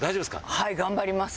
はい頑張ります。